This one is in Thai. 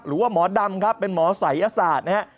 หรือว่าหมอดำครับเป็นหมอศัยยศาสตร์นะฮะ